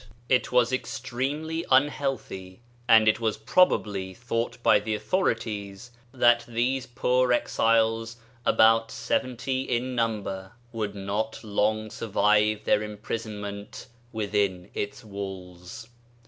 It was extremely unhealthy, and it was probably thought by the authorities that these poor exiles, about seventy in number, would not long survive their imprisonment within its walls.